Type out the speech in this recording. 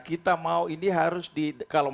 kita mau ini harus di kalau